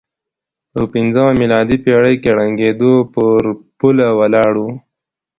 په پځمه میلادي پېړۍ کې ړنګېدو پر پوله ولاړ و.